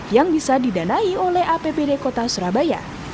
yang bisa didanai oleh apbd kota surabaya